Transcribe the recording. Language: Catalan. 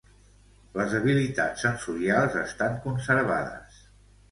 Les habilitats sensorials estan conservades.